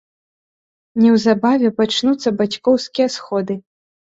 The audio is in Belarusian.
Неўзабаве пачнуцца бацькоўскія сходы.